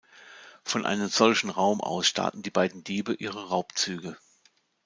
Von einem solchen Raum aus starten die beiden Diebe ihre Raubzüge.